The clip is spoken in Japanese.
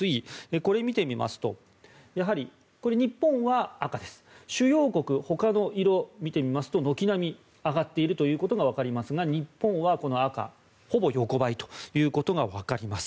これを見てみますと日本は赤です主要国ほかの色、見てみますと軒並み上がっているということがわかりますが日本は赤ほぼ横ばいということがわかります。